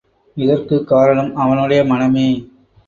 இதற்குக் காரணம் அவனுடைய மனமே.